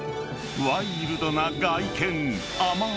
［ワイルドな外見］